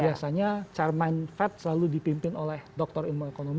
biasanya chairman fed selalu dipimpin oleh doktor ilmu ekonomi